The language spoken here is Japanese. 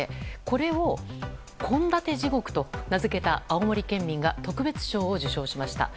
これを献立地獄と名付けた青森県民が特別賞を受賞しました。